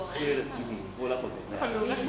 ก็พูดแล้วฉันเขินเรื่อง